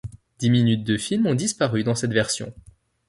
Dix minutes de film ont disparu dans cette version.